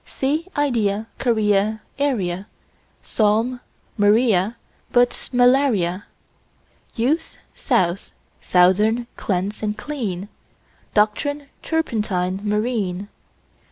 Sea, idea, guinea, area, Psalm; Maria, but malaria; Youth, south, southern; cleanse and clean; Doctrine, turpentine, marine.